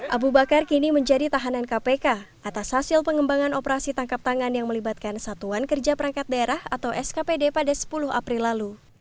abu bakar kini menjadi tahanan kpk atas hasil pengembangan operasi tangkap tangan yang melibatkan satuan kerja perangkat daerah atau skpd pada sepuluh april lalu